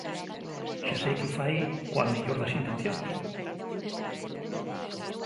Xa sei que o fai coa mellor das intencións.